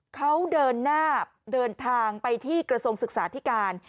เขาเดินหน้าเดินทางไปที่กระทรวงศึกษาธิการ